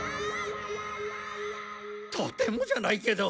とてもじゃないけど。